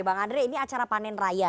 bang andre ini acara panen raya